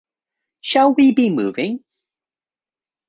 Shall we be moving?